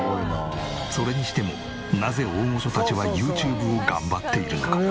それにしてもなぜ大御所たちはＹｏｕＴｕｂｅを頑張っているのか？